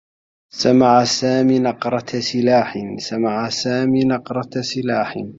سمع سامي نقرة سلاح.